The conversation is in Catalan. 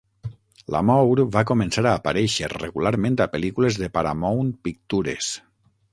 Lamour va començar a aparèixer regularment a pel·lícules de Paramount Pictures.